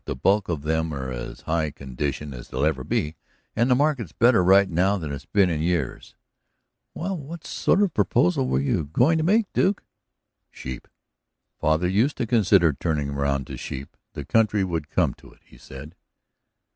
The bulk of them are in as high condition as they'll ever be, and the market's better right now that it's been in years." "Well, what sort of a proposal were you going to make, Duke?" "Sheep." "Father used to consider turning around to sheep. The country would come to it, he said."